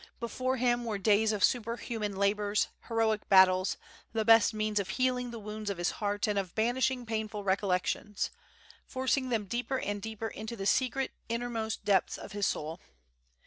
Before him were days of superhuman labors, heroic battles, the best means of healing the wounds of his heart and of banishing painful recollections, forcing them deeper and deeper into the secret innermost depths of his soul.